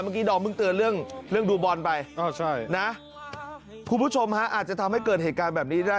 เมื่อกี้ดอมเพิ่งเตือนเรื่องดูบอลไปนะคุณผู้ชมฮะอาจจะทำให้เกิดเหตุการณ์แบบนี้ได้